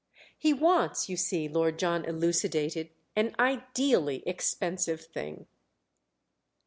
"He wants, you see," Lord John elucidated, "an ideally expensive thing."